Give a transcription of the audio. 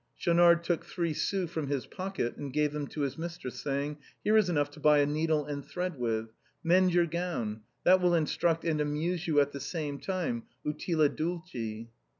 Schaunard took three sous from his pocket and gave them to his mistress, saying: 20G THE BOHEMIANS OF THE LATIN" QUARTER. " Here is enough to buy a needle and thread with. Mend your gown, that will instruct and amuse you at the same time, uUîe dulci."